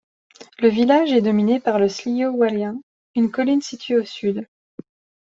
Le village est dominée par le Slieau Whallian, une colline située au sud.